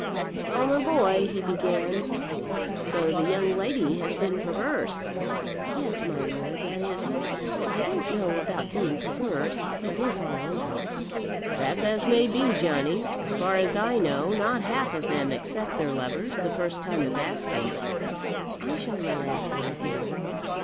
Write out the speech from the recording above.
"Well, my boy," he began, "so the young lady has been perverse." "Yes, my lord. That is, I don't know about being perverse. It is all over." "That's as may be, Johnny. As far as I know, not half of them accept their lovers the first time of asking." "I shall not ask her again."